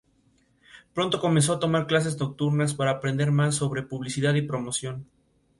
Se licenció en filosofía y ciencias de la educación por la Universidad de Valencia.